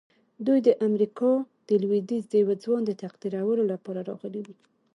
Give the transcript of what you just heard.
دوی د امريکا د لويديځ د يوه ځوان د تقديرولو لپاره راغلي وو.